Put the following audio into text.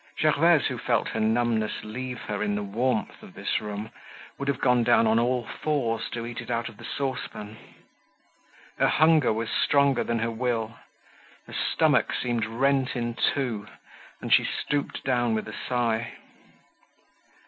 Gervaise, who felt her numbness leave her in the warmth of this room, would have gone down on all fours to eat out of the saucepan. Her hunger was stronger than her will; her stomach seemed rent in two; and she stooped down with a sigh.